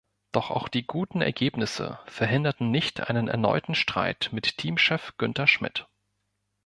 Doch auch die guten Ergebnisse verhinderten nicht einen erneuten Streit mit Teamchef Günther Schmidt.